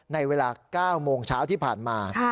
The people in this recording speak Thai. ในเวลา๙โมงเช้าที่ผ่านมา